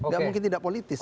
tidak mungkin tidak politis